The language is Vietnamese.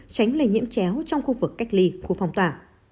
tránh lây nhiễm chéo trong khu vực cách ly khu phong tỏa